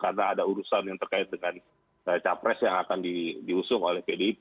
karena ada urusan yang terkait dengan capres yang akan diusung oleh pdip